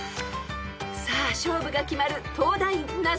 ［さあ勝負が決まる東大ナゾトレ］